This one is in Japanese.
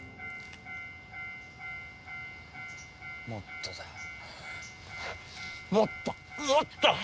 もっと！